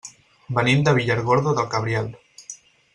Venim de Villargordo del Cabriel.